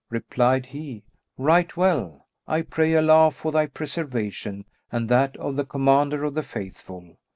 Replied he, "Right well! I pray Allah for thy preservation and that of the Commander of the Faithful."